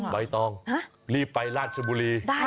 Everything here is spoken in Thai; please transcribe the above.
ใบตองรีบไปราชบุรี